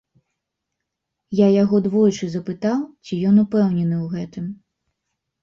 Я яго двойчы запытаў, ці ён упэўнены ў гэтым.